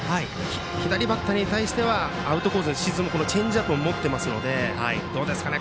左バッターに対してはアウトコースに沈むチェンジアップを持ってますのでどうですかね